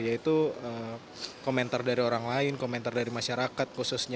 yaitu komentar dari orang lain komentar dari masyarakat khususnya